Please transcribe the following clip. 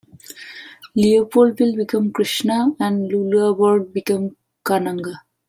Leopoldville became Kinshasa, and Luluabourg became Kananga.